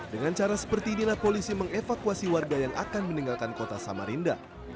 dengan cara seperti inilah polisi mengevakuasi warga yang akan meninggalkan kota samarinda